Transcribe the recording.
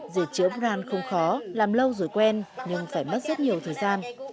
giật chiếu brand không khó làm lâu rồi quen nhưng phải mất rất nhiều thời gian